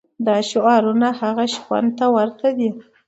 دا شعارونه هغه شخوند ته ورته دي.